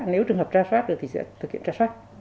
nếu trường hợp tra soát được thì sẽ thực hiện tra soát